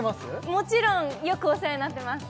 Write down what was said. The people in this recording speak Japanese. もちろんよくお世話になってます